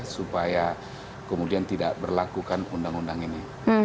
supaya kemudian tidak berlakukan undang undang ini